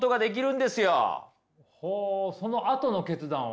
ほうそのあとの決断を。